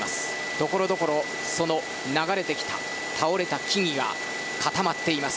ところどころ流れてきた倒れた木々が固まっています。